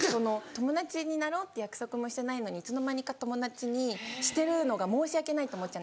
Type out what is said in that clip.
友達になろうって約束もしてないのにいつの間にか友達にしてるのが申し訳ないと思っちゃうんですよ。